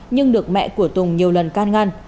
nhưng được mẹ của tùng nhiều lần can ngăn